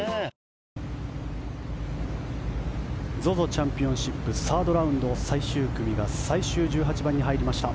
チャンピオンシップサードラウンド最終組が最終１８番に入りました。